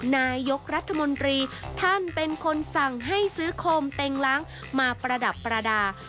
นายกรัฐมนตรีท่านเป็นคนสั่งให้ซื้อโคมเต็งล้างมาประดับประดาษ